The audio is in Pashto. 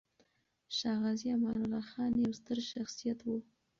شاه غازي امان الله خان يو ستر شخصيت و.